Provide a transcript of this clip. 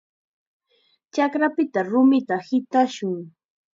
Chakrapita rumita hitashun.